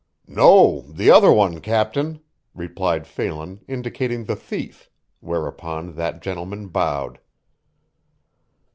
"No, the other one, captain," replied Phelan, indicating the thief; whereupon that gentleman bowed.